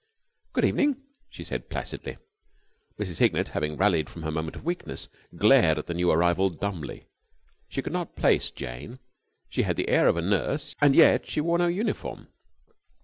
"Good evening," she said, placidly. Mrs. Hignett, having rallied from her moment of weakness, glared at the new arrival dumbly. She could not place Jane. She had the air of a nurse, and yet she wore no uniform.